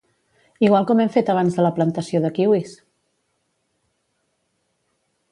Igual com hem fet abans a la plantació de kiwis!